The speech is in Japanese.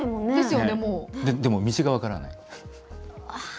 でも、道が分からない。